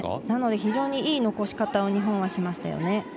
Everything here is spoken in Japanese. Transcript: なので非常にいい残し方を日本はしましたね。